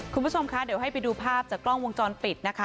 คุณผู้ชมคะเดี๋ยวให้ไปดูภาพจากกล้องวงจรปิดนะคะ